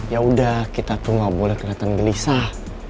yaudah kita tuh gak boleh keliatan gelisah